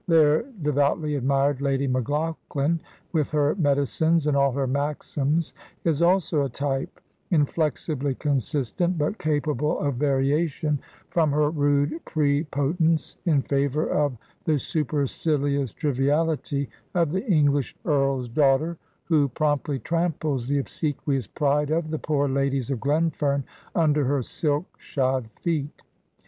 Their de voutly admired Lady MacLaughlin, with her medicines and all her maxims, is also a type, inflexibly consistent, but capable of variation from her rude prepotence, in favor of the supercilious triviality of the English earl's daughter, who promptly tramples the obsequious pride of the poor ladies of Glenfem under her silk shod feet.